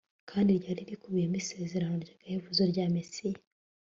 kandi ryari rikubiyemo isezerano ry'agahebuzo rya mesiya